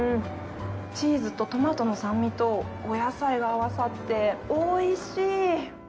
チーズとトマトの酸味とお野菜が合わさって、おいしい！